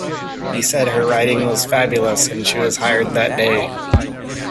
He said her writing was fabulous', and she was hired that day.